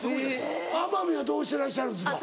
奄美はどうしてらっしゃるんですか？